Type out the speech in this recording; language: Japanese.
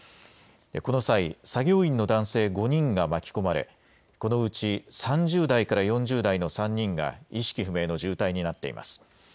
この際、作業員の男性５人が巻き込まれこのうち３０代から４０代の３人が意識不明の重体になっています。